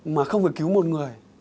mà không phải cứu một người